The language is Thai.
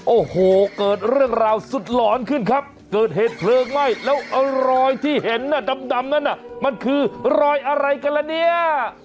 โอ้โหเกิดเรื่องราวสุดหลอนขึ้นครับเกิดเหตุเพลิงไหม้แล้วรอยที่เห็นน่ะดำนั้นน่ะมันคือรอยอะไรกันละเนี่ย